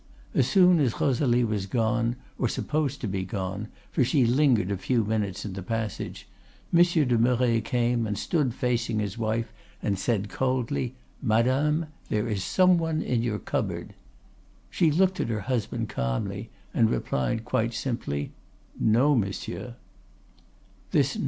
As soon as Rosalie was gone, or supposed to be gone, for she lingered a few minutes in the passage, Monsieur de Merret came and stood facing his wife, and said coldly, 'Madame, there is some one in your cupboard!' She looked at her husband calmly, and replied quite simply, 'No, monsieur.